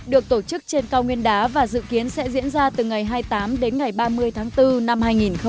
được tổ chức trên cao nguyên đá và dự kiến sẽ diễn ra từ ngày hai mươi tám đến ngày ba mươi tháng bốn năm hai nghìn hai mươi